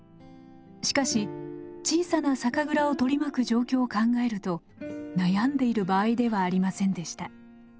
しかし小さな酒蔵を取り巻く状況を考えると悩んでいる場合ではありませんでした。